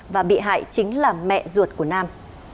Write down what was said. và bị hại chính là mẹ ruột của nam